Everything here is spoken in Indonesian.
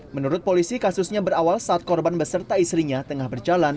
menurut polisi kasusnya berawal saat korban beserta istrinya tengah berjalan